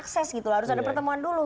akses gitu harus ada pertemuan dulu